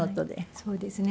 そうですね。